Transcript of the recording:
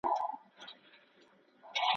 پانګه د توليدي وسايلو د عصري کېدو لامل کېږي.